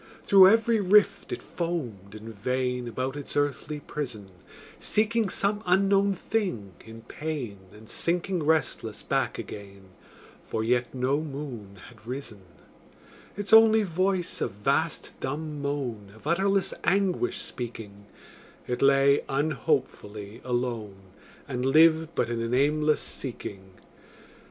Through every rift it foamed in vain, About its earthly prison, Seeking some unknown thing in pain, And sinking restless back again, For yet no moon had risen: Its only voice a vast dumb moan, Of utterless anguish speaking, It lay unhopefully alone, And lived but in an aimless seeking.